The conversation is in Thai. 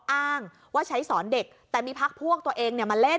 อ้างว่าใช้สอนเด็กแต่มีพักพวกตัวเองมาเล่น